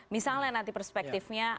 misalnya nanti perspektifnya